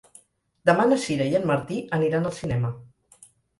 Demà na Sira i en Martí aniran al cinema.